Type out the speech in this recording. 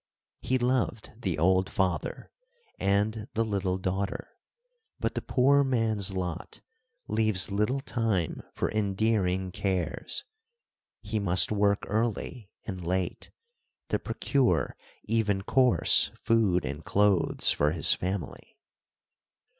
He loved the old father and the little daughter. But the poor man's lot leaves little time for endearing cares. He must work early and late to procure even coarse food and clothes for his family.